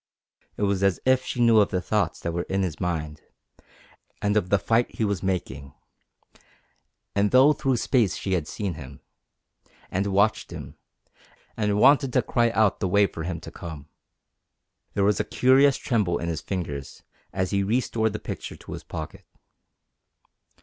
It was as if she knew of the thoughts that were in his mind, and of the fight he was making; as though through space she had seen him, and watched him, and wanted to cry out for him the way to come. There was a curious tremble in his fingers as he restored the picture to his pocket.